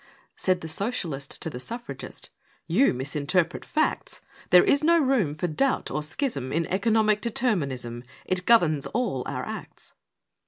Said the Socialist to the Suffragist: "You misinterpret facts! There is no room for doubt or schism In Economic Determinism It governs all our acts!"